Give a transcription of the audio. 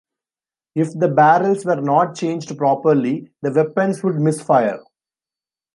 If the barrels were not changed properly, the weapon would misfire.